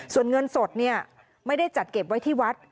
ส่วนเงินสดไม่ได้จัดเก็บไว้ที่วัด